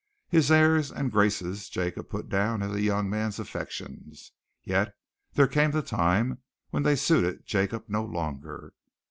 His airs and graces Jacob put down as a young man's affectations yet there came the time when they suited Jacob no longer.